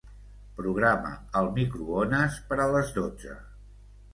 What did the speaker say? Programa el microones per a les dotze.